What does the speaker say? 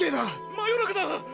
魔夜中だ！